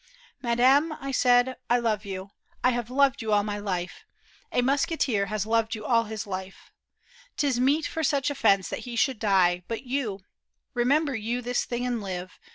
" Madam," I said, " I love you. I have loved you all my life ; A musketeer has loved you all his life ; 'Tis meet for such offence that he should die. But you, remember you this thing and live.